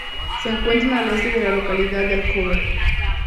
Se encuentra al este de la localidad de Alcover.